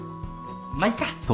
まあいいか。